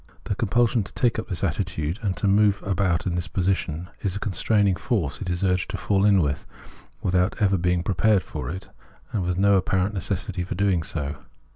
The compulsion to take up this attitude and move about in this position, is a constraining force it is urged to fall in with, without ever being prepared for it and with no apparent necessity for doing so.